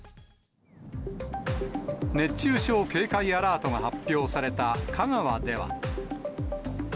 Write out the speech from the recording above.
熱中症警戒アラートが発表された香川では。